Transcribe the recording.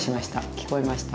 聞こえました。